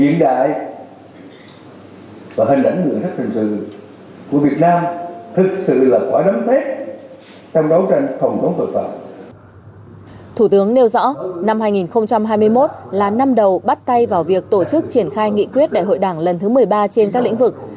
năm hai nghìn hai mươi một là năm đầu bắt tay vào việc tổ chức triển khai nghị quyết đại hội đảng lần thứ một mươi ba trên các lĩnh vực